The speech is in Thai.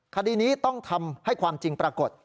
คดีนี้ต้องทำให้ความจริงปรากฏ